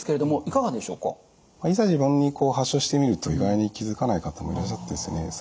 いざ自分に発症してみると意外に気付かない方もいらっしゃってですね